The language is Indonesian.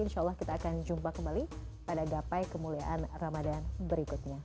insya allah kita akan jumpa kembali pada gapai kemuliaan ramadhan berikutnya